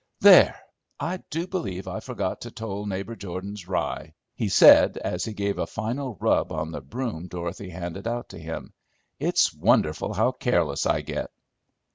"There! I do believe I forgot to toll neighbor Jordan's rye," he said, as he gave a final rub on the broom Dorothy handed out to him. "It's wonderful how careless I get!"